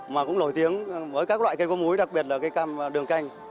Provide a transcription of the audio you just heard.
mà cũng lổi tiếng với các loại cây con múi đặc biệt là cây cam đường canh